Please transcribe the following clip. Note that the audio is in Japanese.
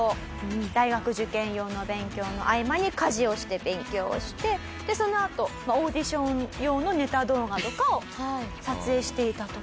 大学受験用の勉強の合間に家事をして勉強をしてでそのあとオーディション用のネタ動画とかを撮影していたと。